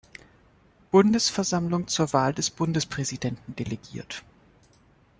Bundesversammlung zur Wahl des Bundespräsidenten delegiert.